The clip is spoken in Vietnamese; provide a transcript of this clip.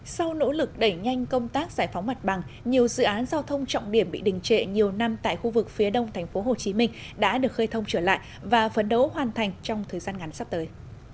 sau nỗ lực đẩy nhanh công tác giải phóng mặt bằng nhiều dự án giao thông trọng điểm bị đình trệ nhiều năm tại khu vực phía đông tp hcm đã được khơi thông trở lại và phấn đấu hoàn thành trong thời gian ngắn sắp tới